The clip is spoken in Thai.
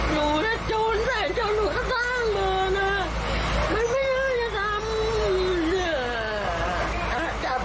หนูน่ะช้วนแสงจบหนูกระส้างมือเลยนะไม่ไม่น่าจะทำ